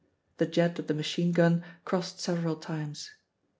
The jet of the machine gun crossed several times.